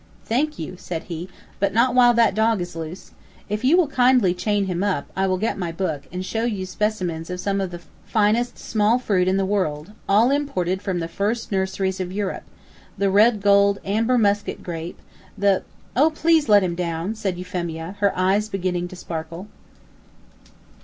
"Thank you," said he; "but not while that dog is loose. If you will kindly chain him up, I will get my book, and show you specimens of some of the finest small fruit in the world, all imported from the first nurseries of Europe the Red gold Amber Muscat grape, the " "Oh, please let him down!" said Euphemia, her eyes beginning to sparkle.